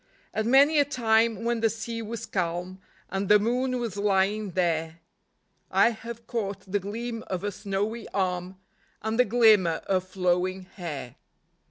And many a time when the sea was calm, And the moon was lying there, I have caught the gleam of a snowy arm, And the glimmer of flowing hair.